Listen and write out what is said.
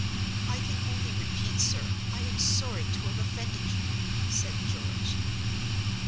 "I can only repeat, sir, I am sorry to have offended you," said George.